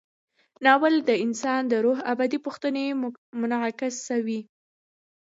ناول د انسان د روح ابدي پوښتنې منعکسوي.